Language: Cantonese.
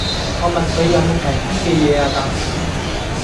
我問佢有無平啲既野呀咁